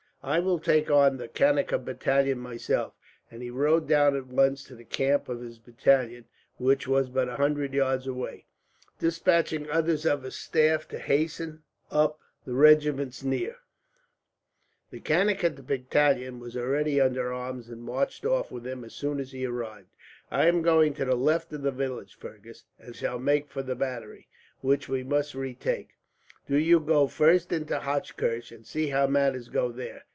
"I will take on the Kannaker battalion myself," and he rode down at once to the camp of this battalion, which was but a hundred yards away; despatching others of his staff to hasten up the regiments near. The Kannaker battalion was already under arms, and marched off with him as soon as he arrived. "I am going to the left of the village, Fergus, and shall make for the battery, which we must retake. Do you go first into Hochkirch, and see how matters go there.